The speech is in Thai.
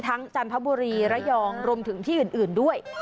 ทั้งจันทร์พระบุรีระยองรวมถึงที่อื่นด้วย